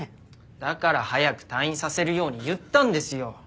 だから早く退院させるように言ったんですよ。